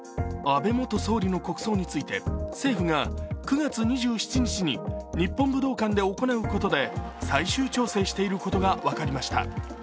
安倍元総理の国葬について政府が９月２７日に日本武道館で行うことで最終調整していることが分かりました。